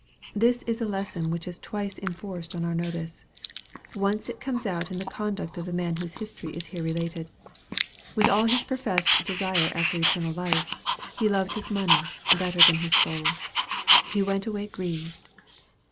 This is a lesson which is twice enforced on our notice. Once it conies out in the conduct of the man whose history is here related. With all his professed desire after eternal life, he loved his money better than his soul. "He went away grieved."